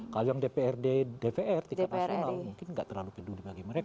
kalau yang dprd dpr tingkat nasional mungkin nggak terlalu peduli bagi mereka